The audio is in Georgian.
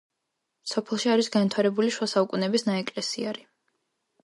სოფელში არის განვითარებული შუა საუკუნეების ნაეკლესიარი.